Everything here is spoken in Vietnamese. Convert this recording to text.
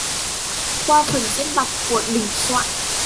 Qua phần diễn đọc của Đình Soạn